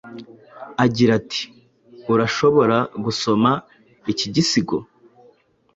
Agira ati Urashobora gusoma iki gisigo